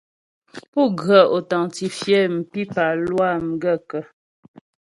Pú ghə́ authentifier mpípá lwâ m gaə̂kə́ ?